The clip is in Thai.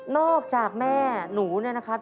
นอกจากแม่หนูนะครับ